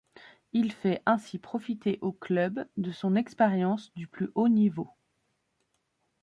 Il fait ainsi profiter au club de son expérience du plus haut niveau.